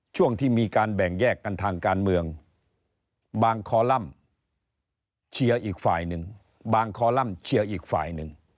ช่วงที่มีการแบ่งแยกกันทางการเมืองบางคอลัมป์เชียร์อีกฝ่ายหนึ่ง